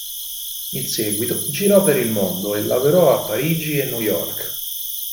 In seguito girò per il mondo e lavorò a Parigi e New York.